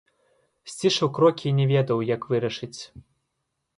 Сцішыў крокі і не ведаў, як вырашыць.